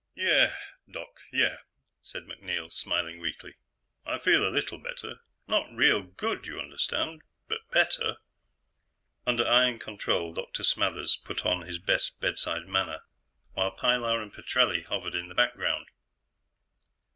"Yeah, Doc, yeah," said MacNeil smiling weakly, "I feel a little better. Not real good, you understand, but better." Under iron control, Dr. Smathers put on his best bedside manner, while Pilar and Petrelli hovered in the background.